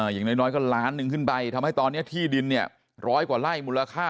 อย่างน้อยก็ล้านหนึ่งขึ้นไปทำให้ตอนนี้ที่ดินเนี่ยร้อยกว่าไร่มูลค่า